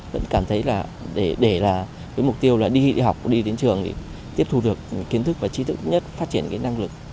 vẫn cảm thấy là để là cái mục tiêu là đi học đi đến trường thì tiếp thu được kiến thức và trí thức nhất phát triển cái năng lực